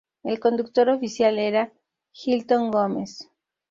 El conductor oficial era Hilton Gomes.